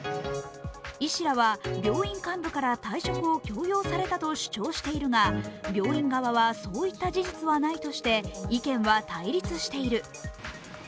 医師らは病院幹部から退職を強要されたと主張しているが病院側はそういった事実はないとして意見は対立している。